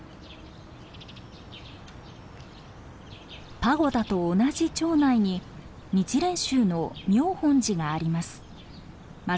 パゴダと同じ町内に日蓮宗の妙本寺があります。